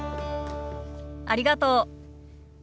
ありがとう。